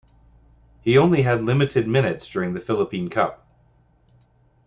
He only had limited minutes during the Philippine Cup.